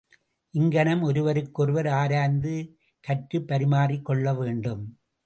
இங்ஙனம் ஒருவர்க்கொருவர் ஆராய்ந்து கற்றுப் பரிமாறிக் கொள்ளவேண்டும்.